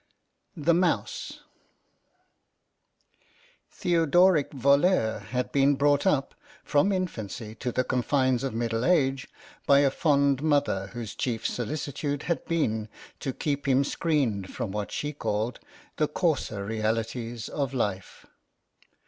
THE MOUSE THEODORIC VOLER had been brought up, from infancy to the confines of middle age, by a fond mother whose chief solicitude had been to keep him screened from what she called the coarser realities of life.